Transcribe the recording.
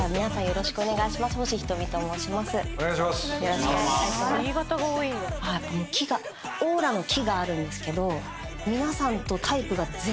よろしくお願いします。